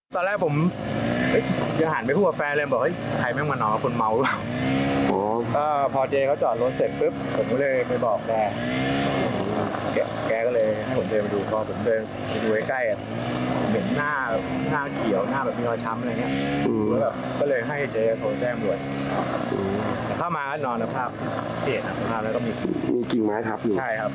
ครับครับแต่ว่าไม่ได้เป็นจำอะไร